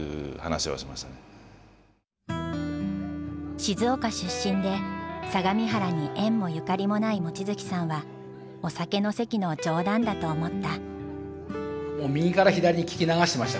静岡出身で相模原に縁もゆかりもない望月さんはお酒の席の冗談だと思った。